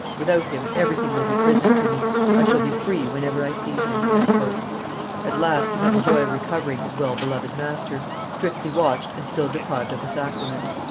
Without him everything will be prison to me; I shall be free wherever I see him." At last he had the joy of recovering his well beloved master, strictly watched and still deprived of the sacraments.